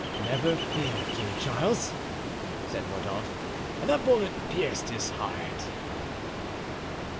"Never fear, King Charles," said Mordaunt, "the bullet pierced his heart."